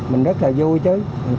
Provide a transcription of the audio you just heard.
mình rất là vui chứ